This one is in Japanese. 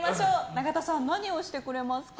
永田さん、何をしてくれますか？